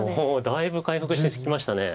だいぶ回復してきましたね。